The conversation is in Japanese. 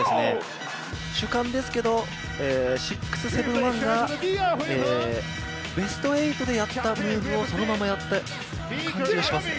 主観ですけれども、６７１がベスト８でやったムーブをそのままやった感じがしますね。